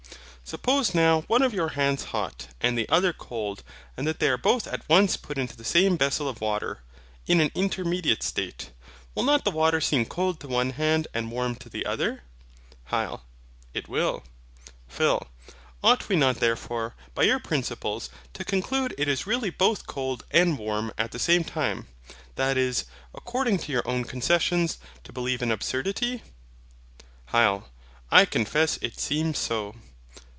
Suppose now one of your hands hot, and the other cold, and that they are both at once put into the same vessel of water, in an intermediate state; will not the water seem cold to one hand, and warm to the other? HYL. It will. PHIL. Ought we not therefore, by your principles, to conclude it is really both cold and warm at the same time, that is, according to your own concession, to believe an absurdity? HYL. I confess it seems so.